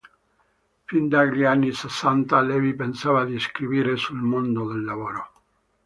Fin dagli anni sessanta Levi pensava di scrivere sul mondo del lavoro.